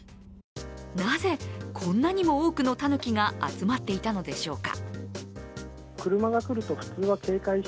なぜ、こんなにも多くのタヌキが集まっていたのでしょうか。